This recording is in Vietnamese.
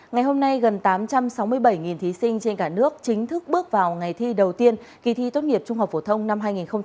ngày hôm nay gần tám trăm sáu mươi bảy thí sinh trên cả nước chính thức bước vào ngày thi đầu tiên kỳ thi tốt nghiệp trung học phổ thông năm hai nghìn hai mươi